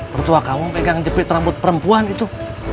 mertua kamu pegang jepit rambut perempuan itu